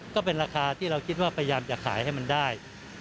ก็เป็นราคาที่เราคิดว่าพยายามจะขายให้มันได้